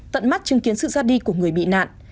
tận mắt chứng kiến sự ra đi của người bị nạn